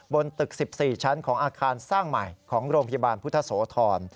บนตึก๑๔ชั้นของอาคารสร้างใหม่ของโรงพยาบาลพุทธโสธร